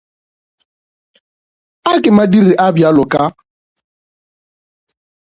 A ke madiri a bjalo ka.